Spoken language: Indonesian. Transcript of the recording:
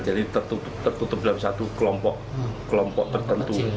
jadi tertutup dalam satu kelompok tertentu